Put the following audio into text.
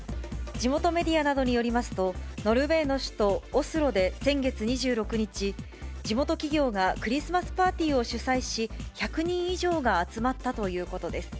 地元メディアなどによりますと、ノルウェーの首都オスロで、先月２６日、地元企業がクリスマスパーティーを主催し、１００人以上が集まったということです。